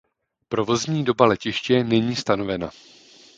Provozní doba letiště není stanovena.